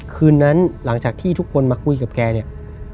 คืนนั้นหลังจากที่ทุกคนมาคุยกับแกเนี่ย